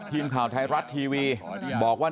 ผมขออนุญาตท่านประธานครับ